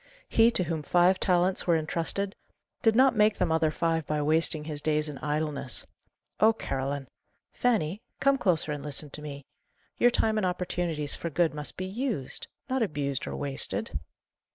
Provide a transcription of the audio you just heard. He to whom five talents were intrusted, did not make them other five by wasting his days in idleness. Oh, Caroline! Fanny, come closer and listen to me your time and opportunities for good must be used not abused or wasted."